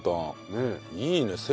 いいね